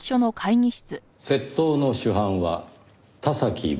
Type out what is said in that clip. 窃盗の主犯は田崎元哉。